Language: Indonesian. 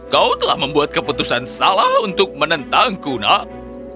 kau telah membuat keputusan salah untuk menentangku nap